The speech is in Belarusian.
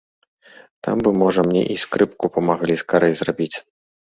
Там бы, можа, мне і скрыпку памаглі скарэй зрабіць.